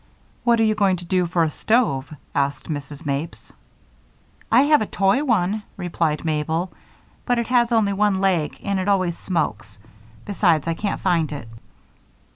"What are you going to do for a stove?" asked Mrs. Mapes. "I have a toy one," replied Mabel, "but it has only one leg and it always smokes. Besides, I can't find it."